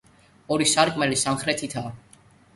ორი სარკმელი სამხრეთითაა.